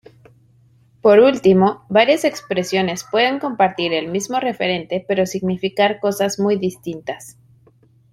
Por último, varias expresiones pueden compartir el mismo referente pero significar cosas muy distintas.